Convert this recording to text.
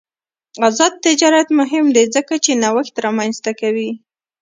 آزاد تجارت مهم دی ځکه چې نوښت رامنځته کوي.